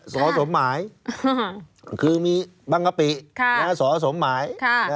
สอสมหมายครับคือมีบ้างกระปิค่ะแล้วส่อสมหมายค่ะ